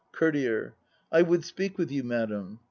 COURTIER. I would sJpeak with you, madam.